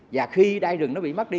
và khi đai rừng nó bị mất đi